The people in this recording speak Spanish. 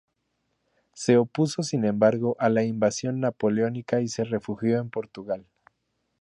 Se opuso sin embargo a la invasión napoleónica y se refugió en Portugal.